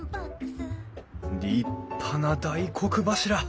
立派な大黒柱。